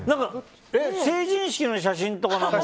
成人式の写真とかなのか